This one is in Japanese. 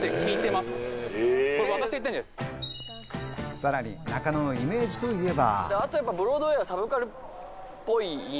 さらに中野のイメージといえば。